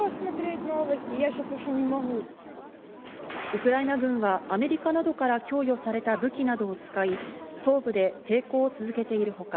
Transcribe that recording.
ウクライナ軍は、アメリカなどから供与された武器などを使い、東部で抵抗を続けているほか、